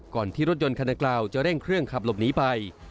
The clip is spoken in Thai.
ที่รถยนต์คันดังกล่าวจะเร่งเครื่องขับหลบหนีไป